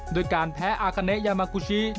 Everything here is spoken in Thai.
ด้วยการแพ้อากาเนยามากูชิ